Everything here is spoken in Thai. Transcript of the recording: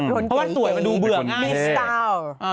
เพราะว่าสวยมันดูเบื่อง่าย